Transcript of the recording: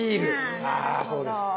あそうです。